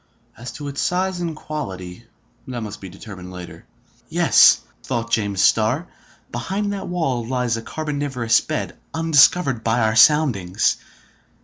As to its size and quality, that must be determined later. "Yes," thought James Starr, "behind that wall lies a carboniferous bed, undiscovered by our soundings.